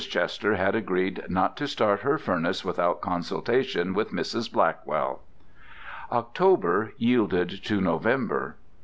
Chester had agreed not to start her furnace without consultation with Mrs. Blackwell. October yielded to November.